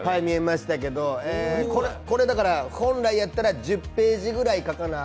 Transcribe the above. これ、だから本来やったら１０ページかかなあ